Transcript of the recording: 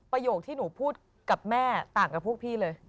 ประโยคที่หนูพูดกับแม่ต่างกับพวกพี่เลย